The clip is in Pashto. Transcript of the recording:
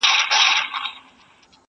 زمانه اوړي له هر کاره سره لوبي کوي،